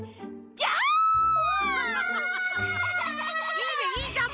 いいねいいジャンプ！